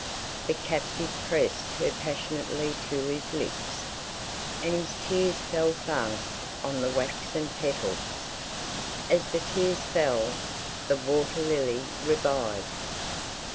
The captive pressed her passionately to his lips, and his tears fell fast on the waxen petals. As the tears fell the water lily revived.